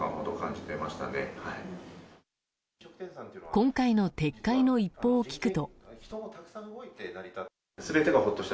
今回の撤回の一報を聞くと。